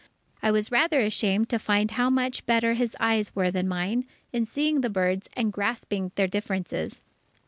I was rather ashamed to find how much better his eyes were than mine, in seeing the birds and grasping their differences.